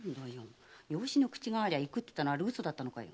養子の口がありゃ行くって言ったの嘘だったのかい？